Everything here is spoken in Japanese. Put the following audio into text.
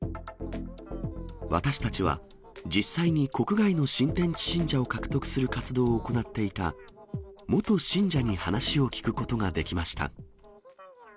私たちは実際に国外の新天地信者を獲得する活動を行っていた、元信者に話を聞くことができました。